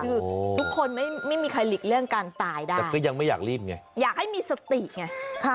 คือทุกคนไม่มีใครหลีกเลี่ยงการตายได้แต่ก็ยังไม่อยากรีบไงอยากให้มีสติไง